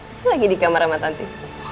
itu lagi di kamar sama tanti